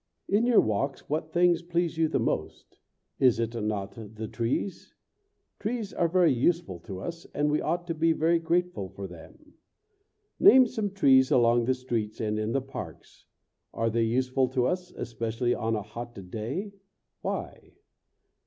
In your walks what things please you the most? Is it not the trees? Trees are very useful to us, and we ought to be very grateful for them. Name some trees along the streets and in the parks. Are they useful to us, especially on a hot day? Why?